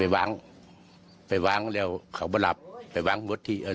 รุงคลายเขา๓๒บาท